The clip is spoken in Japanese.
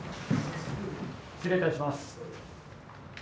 失礼いたします。